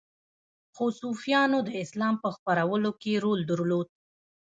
خو صوفیانو د اسلام په خپرولو کې رول درلود